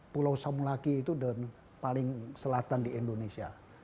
pulau samulaki itu paling selatan di indonesia